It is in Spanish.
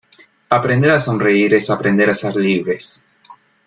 Aprender a sonreír es aprender a ser libres.